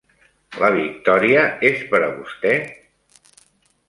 La victòria és per a vostè?